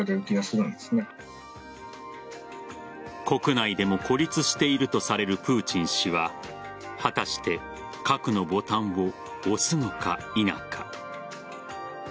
国内でも孤立しているとされるプーチン氏は果たして核のボタンを押すのか否か。